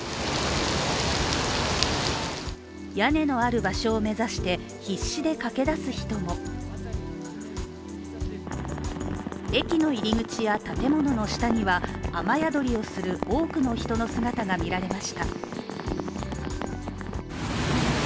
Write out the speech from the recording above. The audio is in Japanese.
屋根のある場所を目指して必死で駆け出す人も駅の入り口や建物の下には雨宿りをする多くの人の姿が見られました。